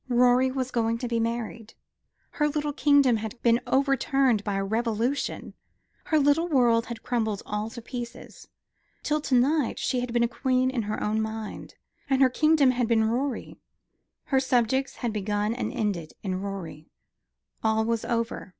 Rorie was going to be married. Her little kingdom had been overturned by a revolution: her little world had crumbled all to pieces. Till to night she had been a queen in her own mind; and her kingdom had been Rorie, her subjects had begun and ended in Rorie. All was over.